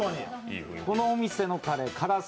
このお店のカレー辛さ